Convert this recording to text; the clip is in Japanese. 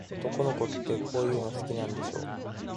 男の子って、こういうの好きなんでしょ。